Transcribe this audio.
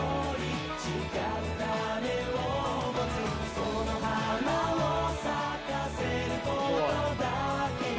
「その花を咲かせることだけに」